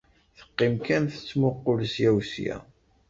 Teqqim kan tettmuqqul ssya u ssya.